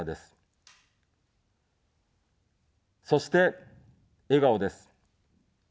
そして、笑顔です。